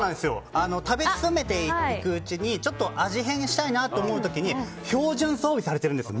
食べ進めていくうちに味変したいなと思う時に標準装備されてるんです